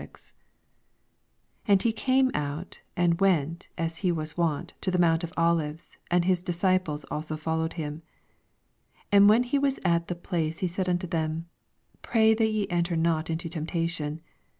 89 And h( came oat, and went, as he was wout, to the monnt of Olives ; and bis disciples also followed him. 40 And when he was at the place, he said unto them, Pray that ye enter not into temptation.